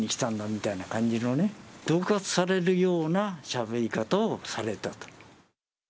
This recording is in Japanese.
みたいな感じのね、どう喝されるようなしゃべり方をされたと。